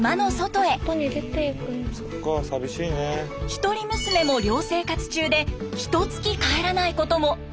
一人娘も寮生活中でひと月帰らないことも。